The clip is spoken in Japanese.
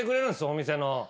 お店の。